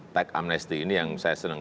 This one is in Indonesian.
teksamnesti ini yang saya senang